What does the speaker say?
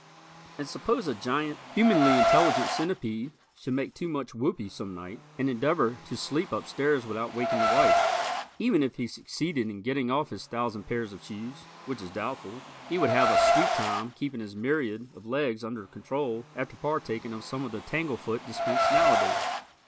And suppose a giant, humanly intelligent centipede should make too much whoopee some night, and endeavor to slip upstairs without waking the wife. Even if he succeeded in getting off his thousand pairs of shoes, which is doubtful, he would have a sweet time keeping his myriad of legs under control after partaking of some of the tangle foot dispensed nowadays!